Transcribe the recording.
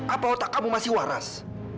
apa otak kamu masih waras